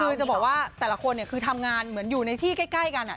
คือจะบอกว่าแต่ละคนคือทำงานเหมือนอยู่ในที่ใกล้กัน